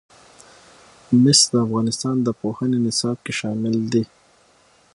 مس د افغانستان د پوهنې نصاب کې شامل دي.